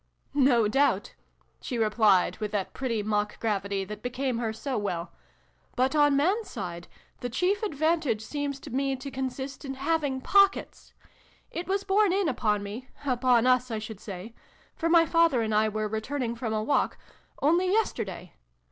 " No doubt," she replied, with that pretty mock gravity that became her so well :" but, on Mans side, the chief advantage seems to me to consist in having pockets ! It was borne in upon me upon us, I should say ; for my father and I were returning from a walk only yesterday.